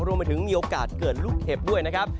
รวมไปถึงมีโอกาสเกิดลูกเห็บด้วยนะครับ